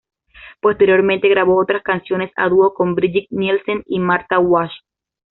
Posteriormente grabó otras canciones a dúo con Brigitte Nielsen y Martha Wash.